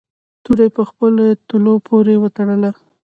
توره یې په خپلو تلو پورې و تړله.